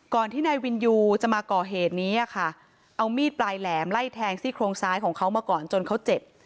ที่นายวินยูจะมาก่อเหตุนี้ค่ะเอามีดปลายแหลมไล่แทงซี่โครงซ้ายของเขามาก่อนจนเขาเจ็บ